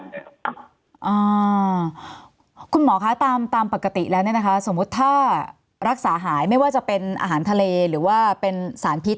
แล้วคุณหมอค่ะตามปกติแล้วสมมติถ้ารักษาหายไม่ว่าจะเป็นอาหารทะเลหรือว่าเป็นสารพิษ